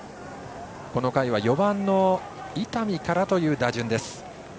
この回は４番の伊丹からという打順です。